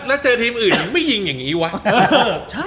แล้วเจอทีมอื่นไม่ยิงอย่างนี้วะ